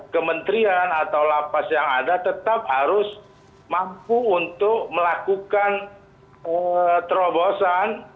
kementerian atau lapas yang ada tetap harus mampu untuk melakukan terobosan